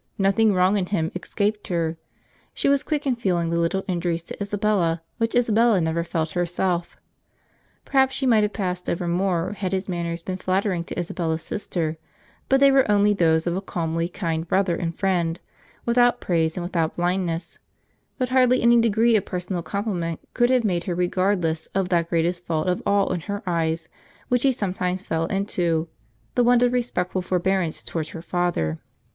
Nothing wrong in him escaped her. She was quick in feeling the little injuries to Isabella, which Isabella never felt herself. Perhaps she might have passed over more had his manners been flattering to Isabella's sister, but they were only those of a calmly kind brother and friend, without praise and without blindness; but hardly any degree of personal compliment could have made her regardless of that greatest fault of all in her eyes which he sometimes fell into, the want of respectful forbearance towards her father.